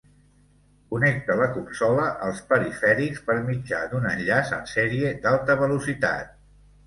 Connecta la consola als perifèrics per mitjà d"un enllaç en sèrie d"alta velocitat.